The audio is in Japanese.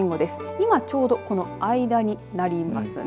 今ちょうどこの間になりますね。